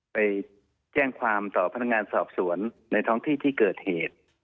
ไปแจ้งความต่อพนักงานสอบสวนในท้องที่ที่เกิดเหตุ